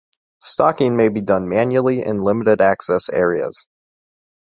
Stocking may be done manually in limited access areas.